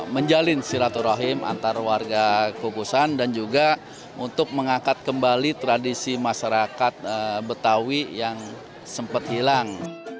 menjalin silaturahim antar warga kugusan dan juga untuk mengangkat kembali tradisi masyarakat betawi yang sempat hilang